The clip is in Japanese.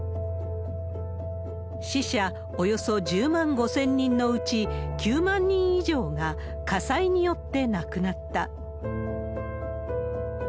死者およそ１０万５０００人のうち、９万人以上が火災によって亡くなった。